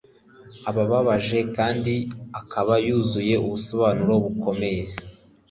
ababaje kandi akaba yuzuye ubusobanuro bukomeye